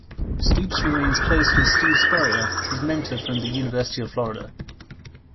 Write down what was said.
Stoops remains close with Steve Spurrier, his mentor from the University of Florida.